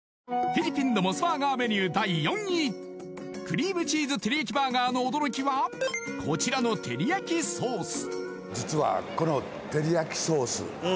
フィリピンのモスバーガーメニュー第４位クリームチーズテリヤキバーガーの驚きはこちらのテリヤキソース